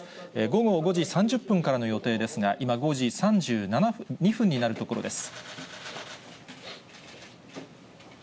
午後５時３０分からの予定ですが、今、５時３２分になるところです。